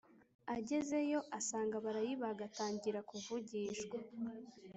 Agezeyo asanga barayibaga atangira kuvugishwa